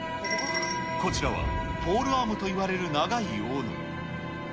こちらはポールアームといわれる長いおの。